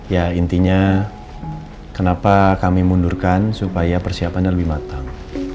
ya intinya kenapa kami mundurkan supaya persiapannya lebih matang